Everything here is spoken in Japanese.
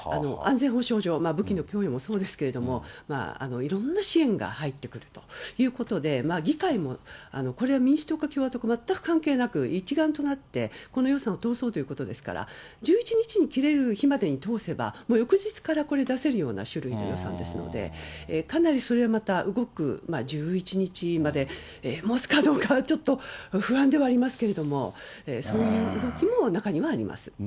安全保障上、武器の供与もそうですけど、いろんな支援が入ってくると。ということで、議会もこれは民主党か共和党か全く関係なく一丸となって、この予算を通そうということですから、１１日に切れるまでに通せば翌日から出せるような種類の予算ですので、かなりそれは、また動く、１１日までもつかどうかはちょっと不安ではありますけれども、そういう動きも中にはあります。